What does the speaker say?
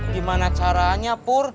gimana caranya pur